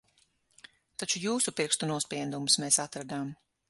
Taču jūsu pirkstu nospiedumus mēs atradām.